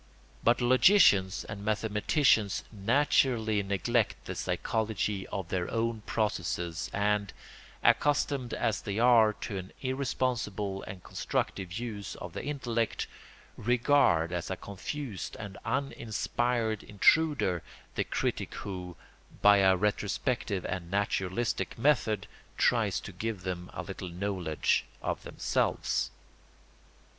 But logicians and mathematicians naturally neglect the psychology of their own processes and, accustomed as they are to an irresponsible and constructive use of the intellect, regard as a confused and uninspired intruder the critic who, by a retrospective and naturalistic method, tries to give them a little knowledge of themselves.